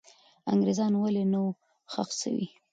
انګریزان ولې نه وو ښخ سوي؟